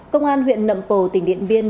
công an huyện nậm pồ tỉnh điện biên